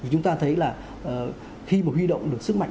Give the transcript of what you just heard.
chúng ta thấy là khi mà huy động được sức mạnh